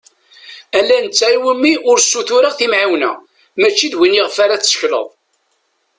Ala i netta iwumi ur ssutureɣ timεiwna, mačči d win iɣef ara tettekleḍ.